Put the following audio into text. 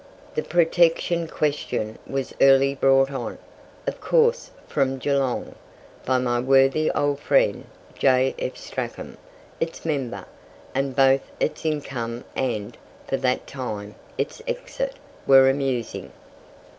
The "Protection Question" was early brought on, of course from Geelong, by my worthy old friend J.F. Strachan, its member, and both its income and, for that time, its exit, were amusing.